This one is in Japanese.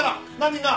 みんな。